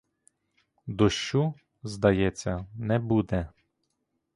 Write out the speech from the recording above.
Дощу, здається, не буде.